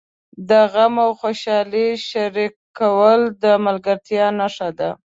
د غم او خوشالۍ شریکول د ملګرتیا نښه ده.